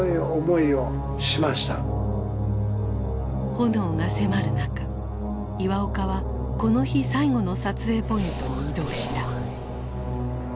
炎が迫る中岩岡はこの日最後の撮影ポイントに移動した。